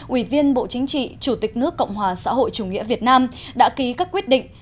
ủy viên bộ chính trị chủ tịch nước cộng hòa xã hội chủ nghĩa việt nam đã ký các quyết định